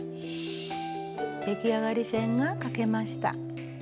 出来上がり線が書けました。